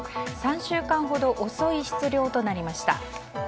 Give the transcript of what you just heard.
３週間ほど遅い出漁となりました。